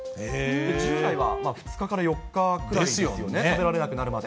従来は２日から４日ぐらいですよね、食べられなくなるまで。